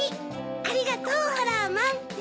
ありがとうホラーマンフフフ。